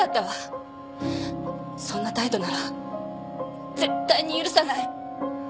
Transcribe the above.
そんな態度なら絶対に許さない。